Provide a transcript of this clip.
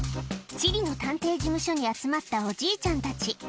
チリの探偵事務所に集まったおじいちゃんたち。